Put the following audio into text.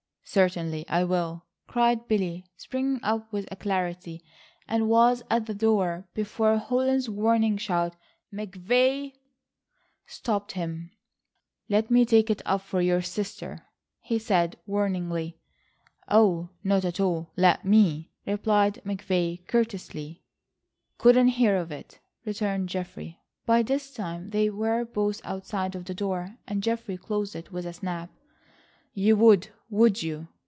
"Certainly I will," cried Billy, springing up with alacrity, and was at the door before Holland's warning shout "McVay" stopped him. "Let me take it up for your sister," he said warningly. "Oh, not at all. Let me," replied McVay courteously. "Couldn't hear of it," returned Geoffrey. By this time they were both outside of the door, and Geoffrey closed it with a snap. "You would, would you?"